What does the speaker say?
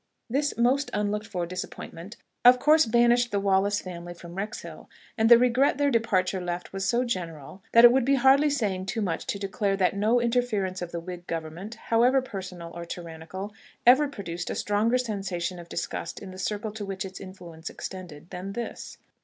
This most unlooked for disappointment of course banished the Wallace family from Wrexhill; and the regret their departure left was so general, that it would be hardly saying too much to declare that no interference of the Whig government, however personal or tyrannical, ever produced a stronger sensation of disgust in the circle to which its influence extended than this.